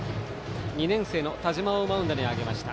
２年生の田嶋をマウンドに上げました。